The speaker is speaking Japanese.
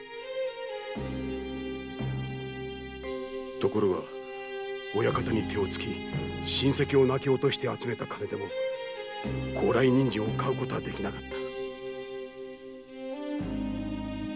ところが親方に手をつき親類を泣き落として集めた金でも高麗人参を買うことはできなかった。